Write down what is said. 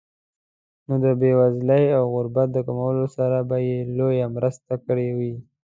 نو د بېوزلۍ او غربت د کمولو سره به یې لویه مرسته کړې وي.